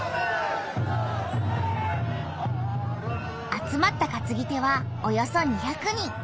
集まったかつぎ手はおよそ２００人。